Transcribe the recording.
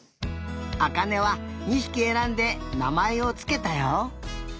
あかねは２ひきえらんでなまえをつけたよ。